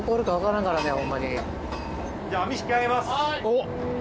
おっ！